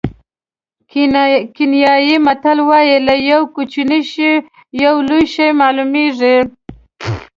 کینیايي متل وایي له یوه کوچني شي یو لوی شی معلومېږي.